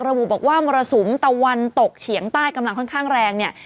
ระบุบอกว่ามรสุมตะวันตกเฉียงใต้กำลังค่อนข้างแรงเนี่ย